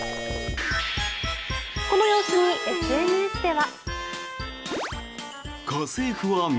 このようにＳＮＳでは。